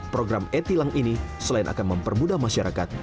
program e tilang ini selain akan mempermudah masyarakat